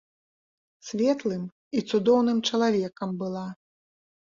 Светлым і цудоўным чалавекам была.